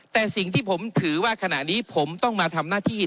แต่สิ่งที่ผมถือว่าขณะนี้ผมต้องมาทำหน้าที่